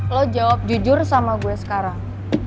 lo jawab jujur sama gue sekarang